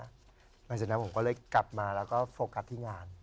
หลังจากนั้นผมก็เลยกลับมาแล้วก็โฟกัสที่งาน